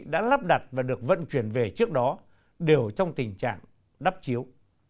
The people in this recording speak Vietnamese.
đã lắp đặt và được vận chuyển về trước đó đều trong tình trạng đắp chiếu